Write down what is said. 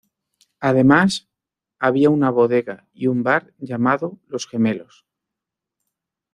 Además, había una bodega y un bar llamado "Los Gemelos".